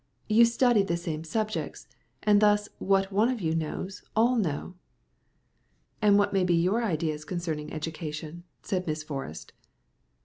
You study the same subjects, and thus what one of you knows, all know." "And what may be your ideas concerning education?" said Miss Forrest.